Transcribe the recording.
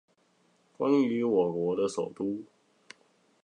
關於我國的首都